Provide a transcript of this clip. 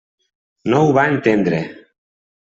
No ho va entendre.